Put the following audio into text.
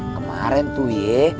kemaren tuh ye